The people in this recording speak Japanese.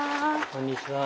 こんにちは。